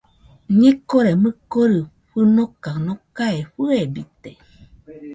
Ñekore mɨkori fɨnoka nokae fɨebite